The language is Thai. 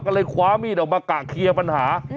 ก็เลยคว้ามีดออกมากะเคลียร์ปัญหา